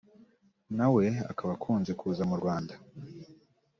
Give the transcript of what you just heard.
nawe akaba akunze kuza mu Rwanda